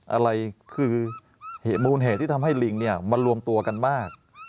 อะไรคือมูลเหตุที่ทำให้ลิงเนี่ยมารวมตัวกันมาก